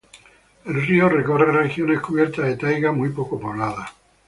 El río recorre regiones cubiertas de taiga muy poco pobladas.